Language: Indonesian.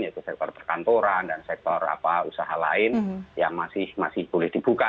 yaitu sektor perkantoran dan sektor usaha lain yang masih boleh dibuka